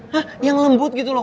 hah yang lembut gitu loh